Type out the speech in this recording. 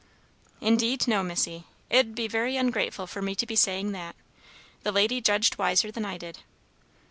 "Indeed, no, Missy. It'd be very ungrateful for me to be saying that. The lady judged wiser than I did."